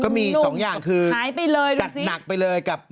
ก็มีสองอย่างคือจัดหนักไปเลยกับอ่อยจะหายไปเลยดูสิ